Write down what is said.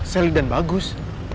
selly dan bagus